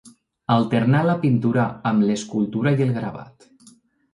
Alternà la pintura amb l'escultura i el gravat.